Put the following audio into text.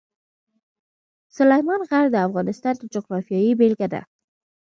سلیمان غر د افغانستان د جغرافیې بېلګه ده.